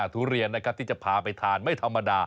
ทุเรียนนะครับที่จะพาไปทานไม่ธรรมดา